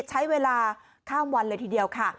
ใช้เวลาข้ามวันเลยทีเดียวค่ะ